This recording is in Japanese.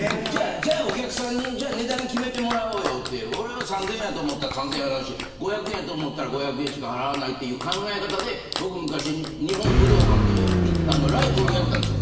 じゃあ、お客さんに値段決めてもらおうよって俺は３０００円だと思ったら３０００円払うし５００円だと思ったら５００円しか払わないという考え方で昔、日本武道館でライブをやったんですよ。